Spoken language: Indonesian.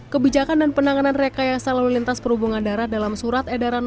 kebijakan dan penanganan rekayasa lalu lintas perhubungan darat dalam surat edaran no satu ratus sembilan